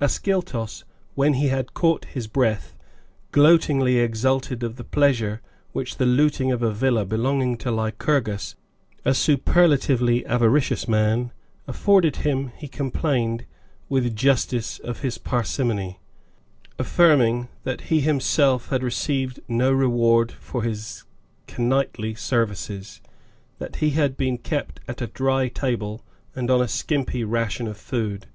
Ascyltos, when he had caught his breath, gloatingly exulted of the pleasure which the looting of a villa belonging to Lycurgus, a superlatively avaricious man, afforded him: he complained, with justice of his parsimony, affirming that he himself had received no reward for his k nightly services, that he had been kept at a dry table and on a skimpy ration of food.